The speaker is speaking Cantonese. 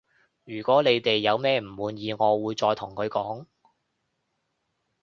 如果你哋有咩唔滿意我會再同佢講